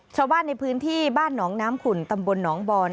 ชาวบ้านในพื้นที่บ้านหนองน้ำขุ่นตำบลหนองบอน